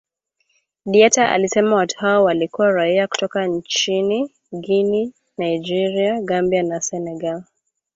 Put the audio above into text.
Diatta alisema watu hao walikuwa raia kutoka nchini Guinea, Nigeria, Gambia na Senegal